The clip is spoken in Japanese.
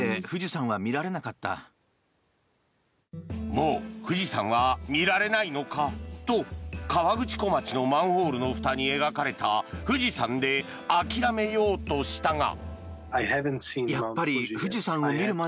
もう富士山は見られないのかと河口湖町のマンホールのふたに描かれた富士山で諦めようとしたが。